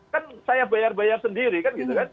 kan saya bayar bayar sendiri kan gitu kan